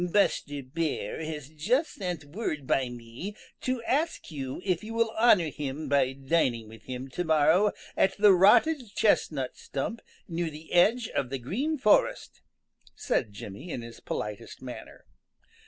"Buster Bear has just sent word by me to ask if you will honor him by dining with him to morrow at the rotted chestnut stump near the edge of the Green Forest," said Jimmy in his politest manner.